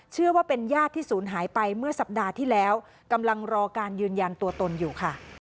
เชื่อว่าเป็นญาติที่ศูนย์หายไปเมื่อสัปดาห์ที่แล้วกำลังรอการยืนยันตัวตนอยู่ค่ะ